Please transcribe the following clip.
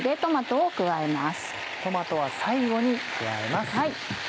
トマトは最後に加えます。